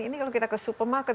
ini kalau kita ke supermarket